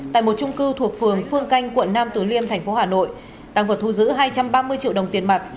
tại một trung cư thuộc phường phương canh quận nam tứ liêm thành phố hà nội tăng vật thu giữ hai trăm ba mươi triệu đồng tiền mặt